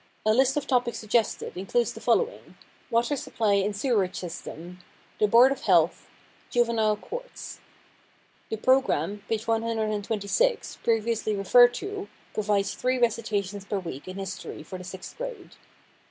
A list of topics suggested includes the following: "Water Supply and Sewerage System"; "The Board of Health"; "Juvenile Courts." The program (p. 126) previously referred to provides three recitations per week in history for the sixth grade.